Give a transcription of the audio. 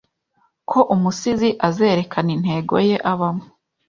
ko umusizi azerekana intego ye abamo